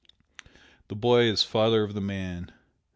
The boy is father of the man.